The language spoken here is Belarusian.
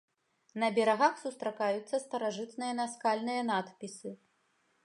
На берагах сустракаюцца старажытныя наскальныя надпісы.